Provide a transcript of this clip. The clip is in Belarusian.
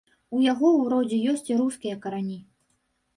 У яго ў родзе ёсць і рускія карані.